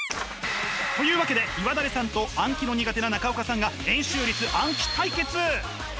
というわけで岩垂さんと暗記の苦手な中岡さんが円周率暗記対決！